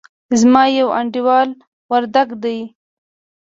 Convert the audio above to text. زما يو انډيوال وردګ دئ.